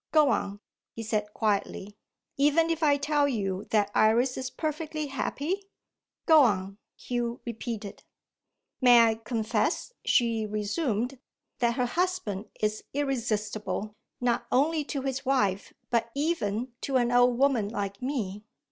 "Go on," he said quietly. "Even if I tell you that Iris is perfectly happy?" "Go on," Hugh repeated. "May I confess," she resumed, "that her husband is irresistible not only to his wife, but even to an old woman like me?